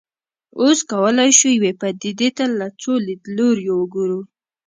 اوس کولای شو یوې پدیدې ته له څو لیدلوریو وګورو.